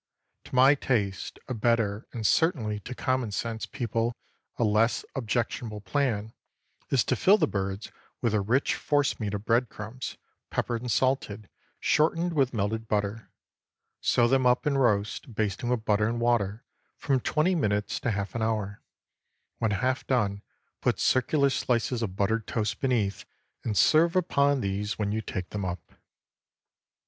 To my taste, a better, and certainly to common sense people a less objectionable plan, is to fill the birds with a rich force meat of bread crumbs, peppered and salted, shortened with melted butter. Sew them up and roast, basting with butter and water, from twenty minutes to half an hour. When half done, put circular slices of buttered toast beneath, and serve upon these when you take them up.